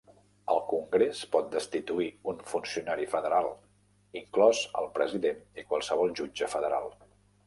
El Congrés pot destituir un funcionari federal, inclòs el president i qualsevol jutge federal.